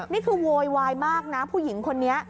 นี่คือโวยวายมากนะผู้หญิงคนนี้